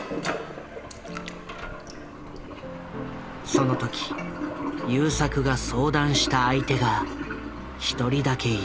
その時優作が相談した相手が１人だけいる。